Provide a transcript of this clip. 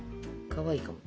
かわいいかも。